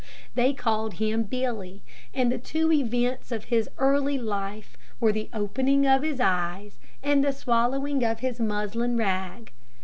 They called him Billy, and the two events of his early life were the opening of his eyes and the swallowing of his muslin rag.